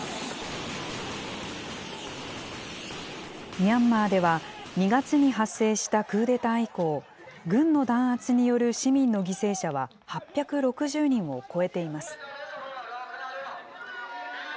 ミャンマーでは、２月に発生したクーデター以降、軍の弾圧による市民の犠牲者は８６０人を超えています。